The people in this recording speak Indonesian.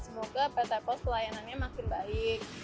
semoga pt pos pelayanannya makin baik